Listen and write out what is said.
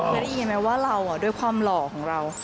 เคยได้ยินไหมว่าเราด้วยความหล่อของเรา